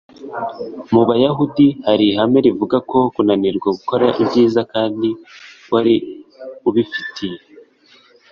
” mu bayahudi, hari ihame rivuga ko kunanirwa gukora ibyiza kandi wari ubifitiye